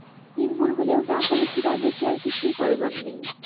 তিনগুণ হলেও, যা করেছি, তার বেশি আর কিছুই করবার নেই।